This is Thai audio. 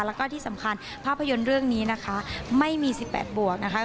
แล้วก็ที่สำคัญภาพยนตร์เรื่องนี้นะคะไม่มี๑๘บวกนะคะ